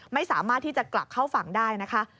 ไม่สามารถที่จะกลับเข้าฝั่งได้นะคะ